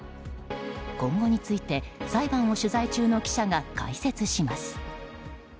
今後について裁判を取材中の記者が解説します。